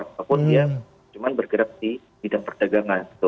ataupun dia cuman bergerak di bidang perdagangan